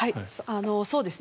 そうですね。